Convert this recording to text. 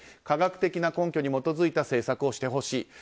科学的な根拠に基づいた政策をしてほしい。